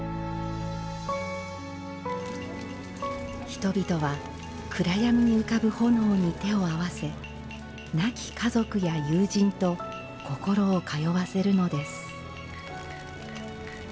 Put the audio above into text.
人々は、暗闇に浮かぶ炎に手を合わせ、亡き家族や友人と心を通わせるのです。